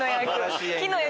木の役！